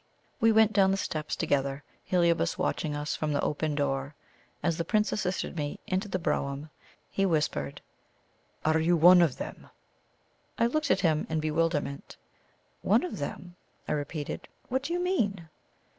We went down the steps together, Heliobas watching us from the open door. As the Prince assisted me into the brougham, he whispered: "Are you one of them!" I looked at him in bewilderment. "One of them!" I repeated. "What do you mean?"